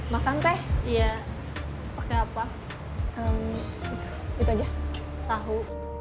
makan teh ya pakai apa itu aja tahu